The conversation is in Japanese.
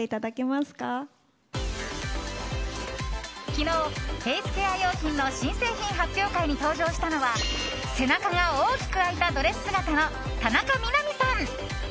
昨日、フェースケア用品の新製品発表会に登場したのは背中が大きく開いたドレス姿の田中みな実さん。